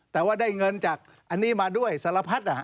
แต่ว่าได้เงินจากอันนี้มาด้วยสารพัด